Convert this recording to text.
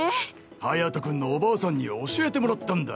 隼君のおばあさんに教えてもらったんだ。